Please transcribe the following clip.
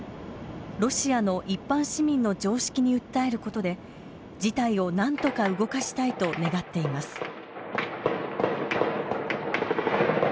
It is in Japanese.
ロシアの一般市民の常識に訴えることで事態をなんとか動かしたいと願っています。